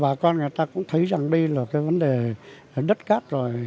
bà con người ta cũng thấy rằng đây là cái vấn đề đất cát rồi